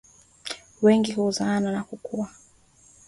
wengi huzaana na kukua